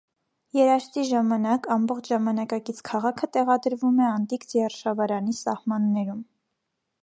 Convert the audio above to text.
Երաշտի ժամանակ, ամբողջ ժամանակակից քաղաքը տեղադրվում է անտիկ ձիարշավարանի սահմաններում։